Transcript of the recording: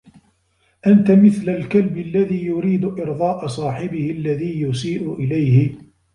أنت مثل الكلب الذي يريد ارضاء صاحبه الذي يسيء إليه.